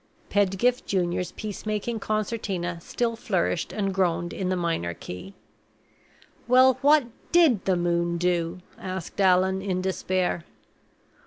Pedgift Junior's peace making concertina still flourished and groaned in the minor key. "Well, what did the moon do?" asked Allan, in despair.